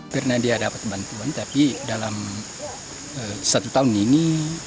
pernah dia dapat bantuan tapi dalam satu tahun ini